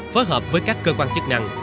phối hợp với các cơ quan chức năng